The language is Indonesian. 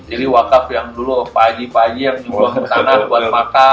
jadi wakaf yang dulu pak haji pak haji yang membuat pertanian buat wakaf